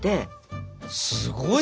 すごいね！